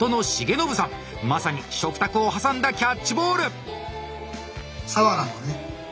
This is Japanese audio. まさに食卓を挟んだキャッチボール！